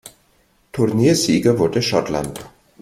Turniersieger wurde Schottland.